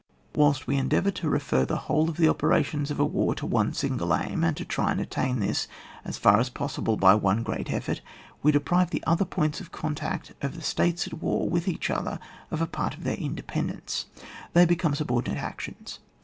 Whilst we endeavour to refer the whole of the operations of a war to one single aim, and try to attain this as far as possible by one great effort, we deprive the other points of contact of the States at war with each other of a part of their independence ; they become subordinate actions.